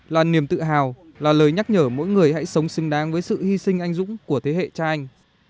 là niềm tự hào là lời nhắc nhở mỗi người hãy sống xứng đáng với sự hy sinh anh dũng của thế hệ cha anh